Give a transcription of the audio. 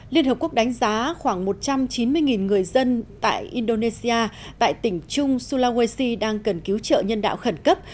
liên hợp quốc đánh giá khoảng một trăm chín mươi người dân tại indonesia tại tỉnh trung sulawesi đang cần cứu trợ nhân đạo khẩn cấp